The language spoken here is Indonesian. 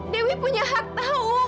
dewi punya hak tahu